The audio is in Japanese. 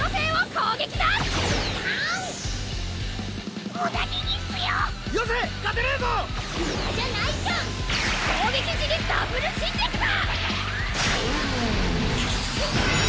攻撃時にダブル侵略だ！